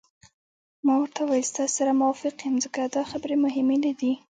ما ورته وویل: ستاسي سره موافق یم، ځکه دا خبرې مهمې نه دي.